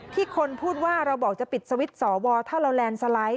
คนพูดว่าเราบอกจะปิดสวิตช์สวถ้าเราแลนด์สไลด์